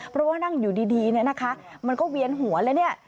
เพราะว่านั่งอยู่ดีนะคะมันก็เวียนหัวเลย